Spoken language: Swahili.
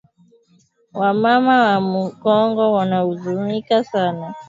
Wa mama wa mu kongo wana uzunika sana